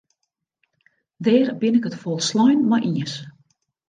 Dêr bin ik it folslein mei iens.